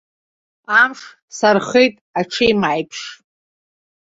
Амш сархеит аҽеимааиԥш.